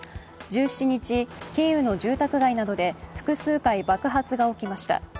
１７日、キーウの住宅街などで複数回、爆発が起きました。